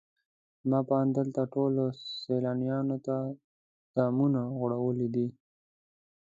زما په اند دلته ټولو سیلانیانو ته دامونه غوړولي دي.